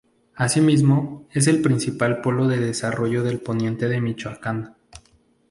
Asimismo, es el principal polo de desarrollo del poniente de Michoacán.